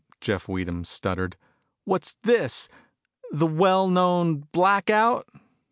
Jeff Weedham stuttered. "What's this the well known blackout?"